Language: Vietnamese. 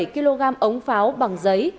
bảy kg ống pháo bằng giấy